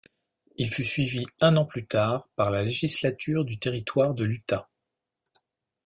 Il fut suivi un an plus tard par la législature du territoire de l'Utah.